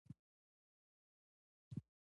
ډاکټر حشمتي هم د هغوی کور ته نور نه ته